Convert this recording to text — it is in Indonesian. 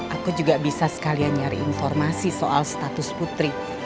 aku juga bisa sekalian nyari informasi soal status putri